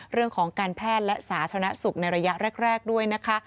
เรื่องของการแพทย์และสาธารณสุขในระยะแรกด้วยนะคะ